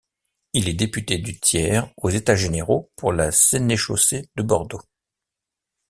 Il est député du tiers aux États-Généraux pour la sénéchaussée de Bordeaux.